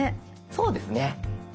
そうですね。